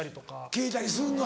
聞いたりするんだ